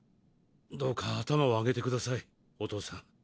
どうか頭を上げてくださいお父さん。